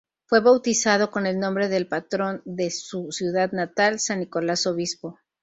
Fue bautizado con el nombre del patrón de su ciudad natal, San Nicolás Obispo.